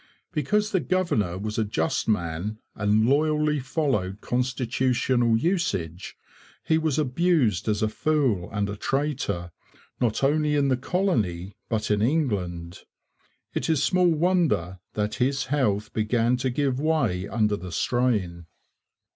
Because the governor was a just man and loyally followed constitutional usage, he was abused as a fool and a traitor not only in the colony but in England. It is small wonder that his health began to give way under the strain.